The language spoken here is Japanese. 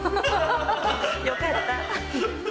よかった。